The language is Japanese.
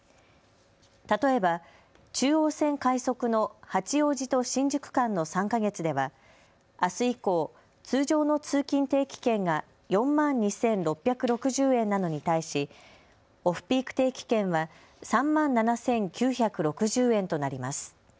例えば中央線・快速の八王子と新宿間の３か月では、あす以降通常の通勤定期券が４万２６６０円なのに対し、オフピーク定期券は３万７９６０円となります。